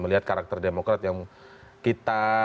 melihat karakter demokrat yang kita